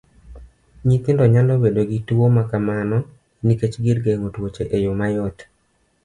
Nyithindo nyalo bedo gi tuwo makamano nikech gir geng'o tuoche eyo mayot.